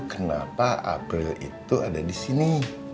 kenapa april itu ada di sini